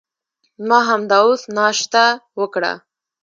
ما همدا اوس ناشته وکړه.